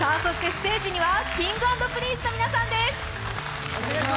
ステージにはＫｉｎｇ＆Ｐｒｉｎｃｅの皆さんです。